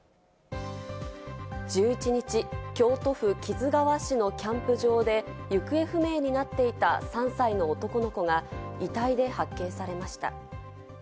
１１日、京都府木津川市のキャンプ場で行方不明になっていた３歳の男の子が遺体で発見されました。